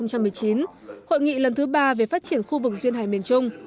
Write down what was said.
hội nghị lần thứ ba về phát triển khu vực duyên hải miền trung